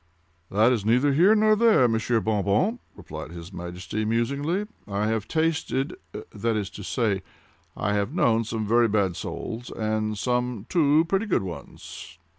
"That is neither here nor there, Monsieur Bon Bon," replied his Majesty, musingly. "I have tasted—that is to say, I have known some very bad souls, and some too—pretty good ones."